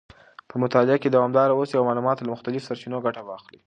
په مطالعه کې دوامداره اوسئ او د معلوماتو له مختلفو سرچینو ګټه واخلئ.